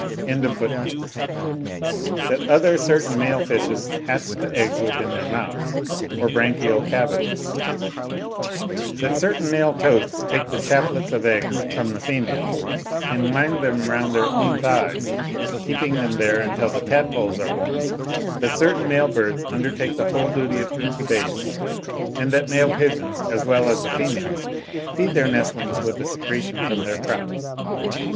—that certain other male fishes hatch the eggs within their mouths or branchial cavities;—that certain male toads take the chaplets of eggs from the females, and wind them round their own thighs, keeping them there until the tadpoles are born;—that certain male birds undertake the whole duty of incubation, and that male pigeons, as well as the females, feed their nestlings with a secretion from their crops.